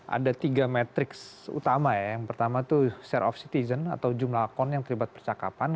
ada tiga metriks utama ya yang pertama itu share of citizen atau jumlah akun yang terlibat percakapan